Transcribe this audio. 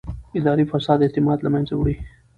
اداري فساد اعتماد له منځه وړي